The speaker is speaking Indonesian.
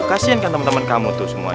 kasihkan teman teman kamu tuh semuanya